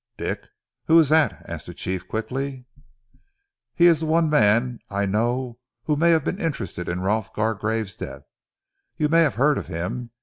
"Dick! Who ees dat?" asked the chief quickly. "He is the one man I know who may have been interested in Rolf Gargrave's death. You may have heard of him?